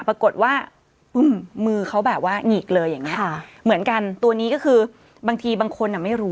ปรากฏว่ามือเขาแบบว่าหงิกเลยอย่างเงี้ค่ะเหมือนกันตัวนี้ก็คือบางทีบางคนอ่ะไม่รู้